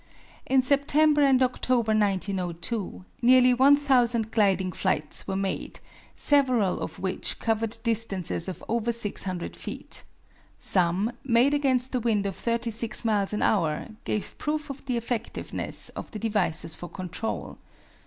In September and October, 1902, nearly 1,000 gliding flights were made, several of which covered distances of over 600 feet. Some, made against a wind of 36 miles an hour, gave proof of the effectiveness of the devices for control.